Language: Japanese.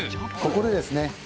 ここでですね